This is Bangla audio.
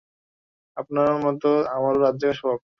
আপনার মতো আমারো রাত জাগা স্বভাব।